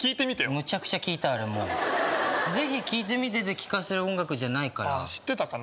むちゃくちゃ聴いたあれもうぜひ聴いてみてで聴かせる音楽じゃないからああ知ってたかな？